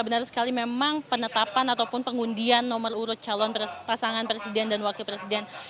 benar sekali memang penetapan ataupun pengundian nomor urut calon pasangan presiden dan wakil presiden